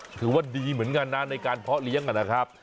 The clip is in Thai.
ถือว่าดีเหมือนกันนะในการเพาะเลี้ยงนะครับ